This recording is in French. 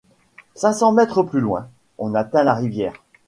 Cinq cents mètres plus loin, on atteint la rivière.